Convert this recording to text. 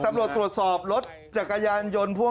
เราก็ด้วยอารมณ์โกรธแล้วก็หึงห่วงด้วย